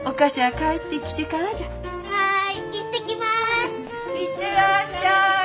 行ってらっしゃい。